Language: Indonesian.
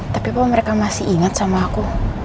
tapi kok mereka masih ingat sama aku